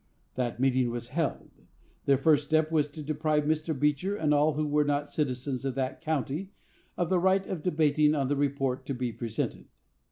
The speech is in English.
That meeting was held. Their first step was to deprive Mr. Beecher, and all who were not citizens of that county, of the right of debating on the report to be presented.